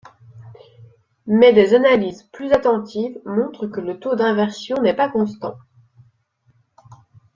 Mais des analyses plus attentives montrent que le taux d'inversions n'est pas constant.